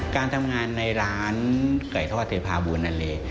การทำงานในร้านไก่ทอดเทพาบูรณาเล